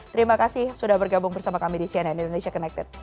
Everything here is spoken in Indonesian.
terima kasih sudah bergabung bersama kami di cnn indonesia connected